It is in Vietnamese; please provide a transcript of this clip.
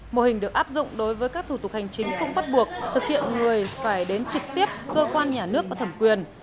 mô hình được áp dụng đối với các thủ tục hành chính không bắt buộc thực hiện người phải đến trực tiếp cơ quan nhà nước có thẩm quyền